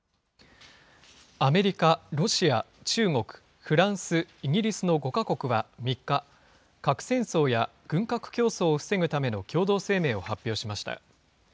アメリカ、ロシア、中国、フランス、イギリスの５か国は３日、核戦争や軍拡競争を防ぐための共同声明を発表しました。